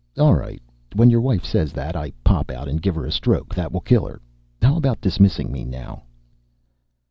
All right, when your wife says that, I pop out and give her a stroke that will kill her. How about dismissing me now?"